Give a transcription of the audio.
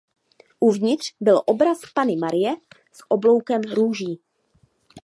Uvnitř byl obraz Panny Marie s obloukem růží.